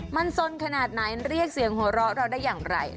มันสนขนาดไหนเรียกเสียงหัวเราะเราได้อย่างไร